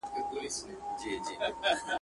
ما ژوندي پر لویو لارو دي شکولي.